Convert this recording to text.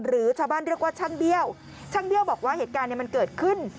หรือชาวบ้านเรียกว่าช่างเบี้ยวช่างเบี้ยวบอกว่าเหตุการณ์มันเกิดขึ้น